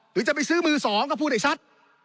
หรือจะไปซื้อมือสองก็พูดให้ชัด